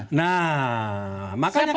jangan semua sebut nama ya